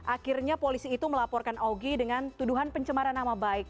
akhirnya polisi itu melaporkan augie dengan tuduhan pencemaran nama baik